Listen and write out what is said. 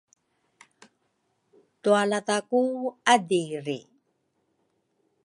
Twaladha ku Adiri